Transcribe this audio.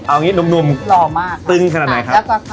เอางี้นุ่มตึงขนาดไหนครับหล่อมากครับ